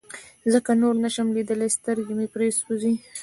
ځکه نور نشم ليدلى سترګې مې پرې سوزي.